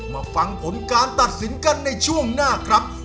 มาฟังผลการตัดสินกันในช่วงหน้าครับ